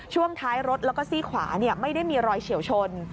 ช่วงท้ายรถแล้วก็ซี่ขวาไม่ได้มีรอยเฉียวชน